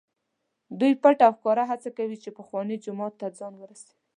دوی پټ او ښکاره هڅه کوي چې پخواني جومات ته ځان ورسوي.